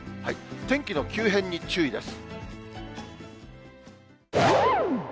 天気の急変に注意です。